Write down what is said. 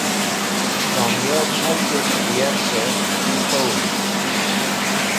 Komyb khalgẽs̃h k̃hũ yarkẽ s̃hẽtovũvd.